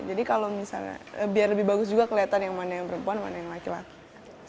jadi kalau misalnya biar lebih bagus juga kelihatan yang mana yang perempuan mana yang laki laki